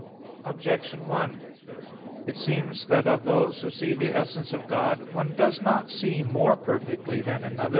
Objection 1: It seems that of those who see the essence of God, one does not see more perfectly than another.